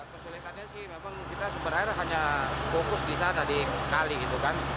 kesulitannya sih memang kita sumber air hanya fokus di sana di kali gitu kan